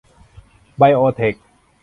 ไบโอเทค